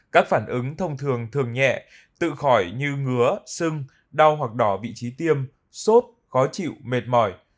các phản ứng thông thường thường nhẹ tự khỏi như ngứa sưng đau hoặc đỏ vị trí tiêm sốt khó chịu mệt mỏi